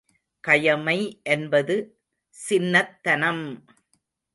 கயமை என்பது சின்னத்தனம்!